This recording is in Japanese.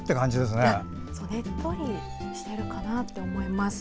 ねっとりしてるかなと思います。